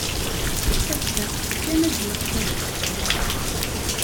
Tadqiqt kan ad d-yeqqel.